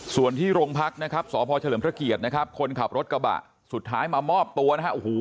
ส่วนที่โรงพักนะครับสพเฉลิมพระเกียรตินะครับคนขับรถกระบะสุดท้ายมามอบตัวนะฮะโอ้โห